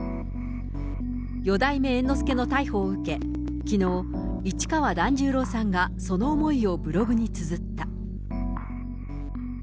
四代目猿之助の逮捕を受け、きのう、市川團十郎さんが、その思いをブログにつづった。